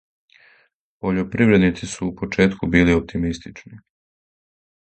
Пољопривредници су у почетку били оптимистични.